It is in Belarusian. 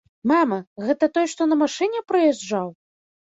Мама, гэта той, што на машыне прыязджаў?